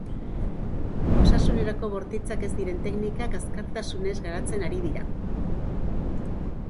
Osasunerako bortitzak ez diren teknikak azkartasunez garatzen ari dira.